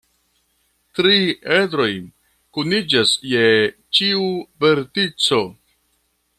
Tri edroj kuniĝas je ĉiu vertico.